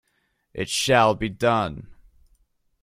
It shall be done!